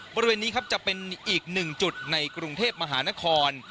บริเวณนี้ครับจะเป็นอีกหนึ่งจุดในกรุงเทพมหานคร